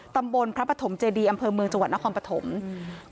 ตำบลพระปฐมเจดีอำเภอเมืองจังหวัดนครปฐมอืม